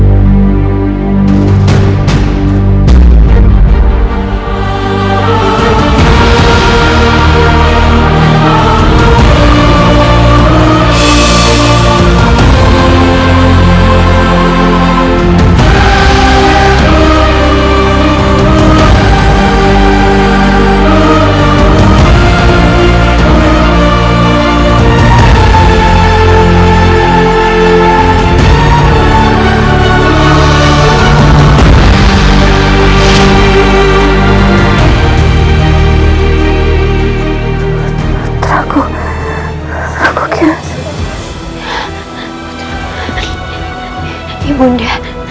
ibu nda mohon berjanjilah pada ibu nda